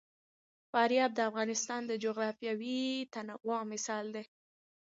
فاریاب د افغانستان د جغرافیوي تنوع مثال دی.